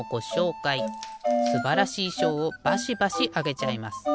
すばらしいしょうをバシバシあげちゃいます。